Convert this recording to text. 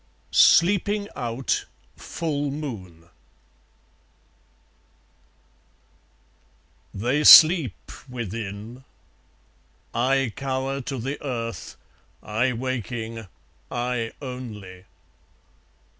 Sleeping Out: Full Moon They sleep within. ... I cower to the earth, I waking, I only.